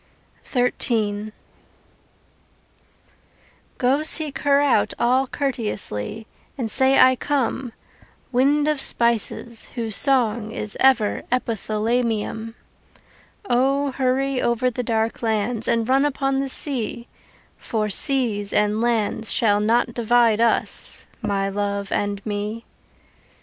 XIII Go seek her out all courteously, And say I come, Wind of spices whose song is ever Epithalamium. O, hurry over the dark lands And run upon the sea For seas and lands shall not divide us My love and me.